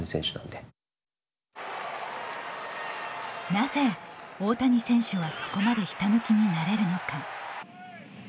なぜ大谷選手はそこまでひたむきになれるのか。